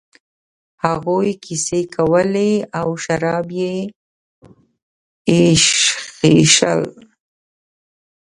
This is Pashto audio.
هغوی کیسې کولې او شراب یې ایشخېشل.